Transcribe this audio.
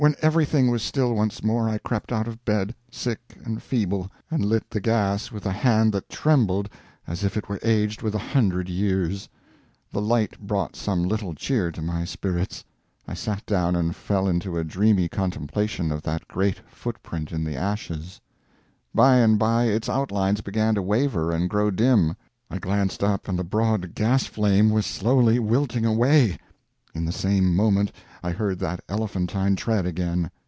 When everything was still once more, I crept out of bed, sick and feeble, and lit the gas with a hand that trembled as if it were aged with a hundred years. The light brought some little cheer to my spirits. I sat down and fell into a dreamy contemplation of that great footprint in the ashes. By and by its outlines began to waver and grow dim. I glanced up and the broad gas flame was slowly wilting away. In the same moment I heard that elephantine tread again.